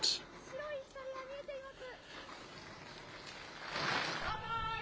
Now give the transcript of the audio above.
白い光が見えています。